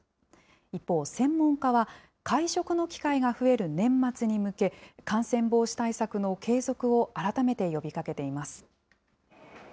一方、専門家は、会食の機会が増える年末に向け、感染防止対策の継続を改めて呼びかけています。